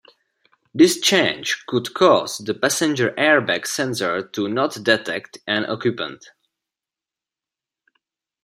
This change could cause the passenger air bag sensor to not detect an occupant.